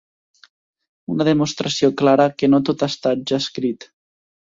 Una demostració clara que no tot ha estat ja escrit.